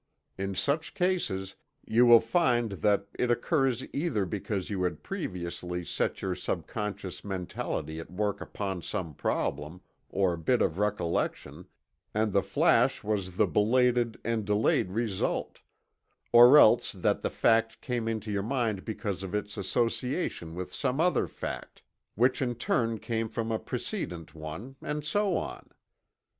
In such cases you will find that it occurs either because you had previously set your subconscious mentality at work upon some problem, or bit of recollection, and the flash was the belated and delayed result; or else that the fact came into your mind because of its association with some other fact, which in turn came from a precedent one, and so on.